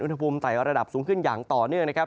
อุณหภูมิไต่ระดับสูงขึ้นอย่างต่อเนื่องนะครับ